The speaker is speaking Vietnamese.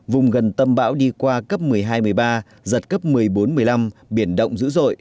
vùng gần tâm bão đi qua cấp một mươi hai một mươi ba giật cấp một mươi bốn một mươi năm biển động dữ dội